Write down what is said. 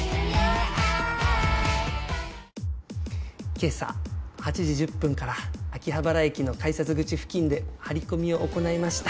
今朝８時１０分から秋葉原駅の改札口付近で張り込みを行いました。